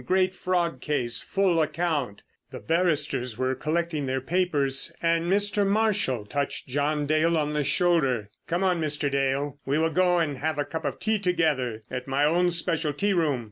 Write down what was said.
Great fraud case—full account." The barristers were collecting their papers, and Mr. Marshall touched John Dale on the shoulder: "Come on, Mr. Dale, we will go and have a cup of tea together at my own special tea room.